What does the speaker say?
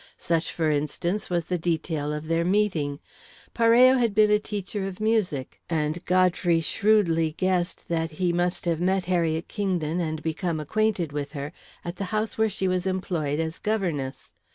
Such, for instance, was the detail of their meeting. Parello had been a teacher of music, and Godfrey shrewdly guessed that he must have met Harriet Kingdon and become acquainted with her at the house where she was employed as governess.